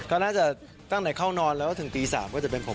ก็น่าจะตั้งแต่เข้านอนแล้วถึงตี๓ก็จะเป็นผม